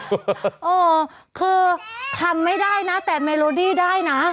เออคือทำไม่ได้นะแต่เมโลดี้ได้นะ